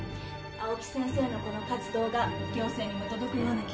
青木先生のこの活動が行政にも届くような記事にします。